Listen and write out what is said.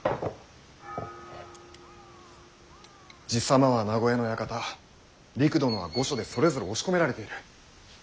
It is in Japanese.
爺様は名越の館りく殿は御所でそれぞれ押し込められている。